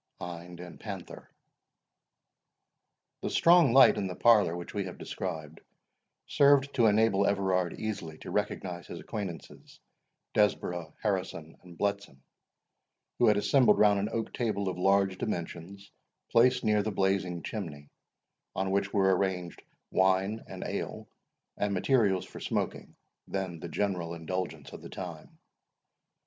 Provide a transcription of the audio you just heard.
HIND AND PANTHER. The strong light in the parlour which we have described, served to enable Everard easily to recognise his acquaintances, Desborough, Harrison, and Bletson, who had assembled round an oak table of large dimensions, placed near the blazing chimney, on which were arranged wine, and ale, and materials for smoking, then the general indulgence of the time.